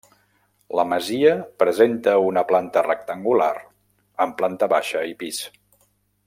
La masia presenta una planta rectangular amb planta baixa i pis.